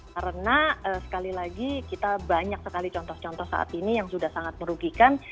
karena sekali lagi kita banyak sekali contoh contoh saat ini yang sudah sangat merugikan